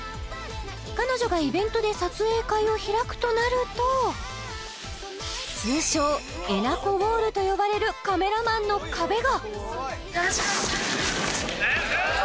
彼女がイベントで撮影会を開くとなると通称・えなこウォールと呼ばれるカメラマンの壁が！